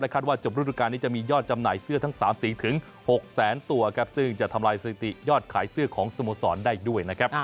คาดว่าจบรูดูการนี้จะมียอดจำหน่ายเสื้อทั้ง๓สีถึง๖แสนตัวซึ่งจะทำลายสถิติยอดขายเสื้อของสโมสรได้ด้วยนะครับ